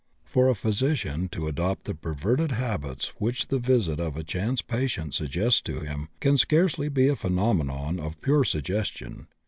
For a physician to adopt the perverted habits which the visit of a chance patient suggests to him can scarcely be a phenomenon of pure suggestion.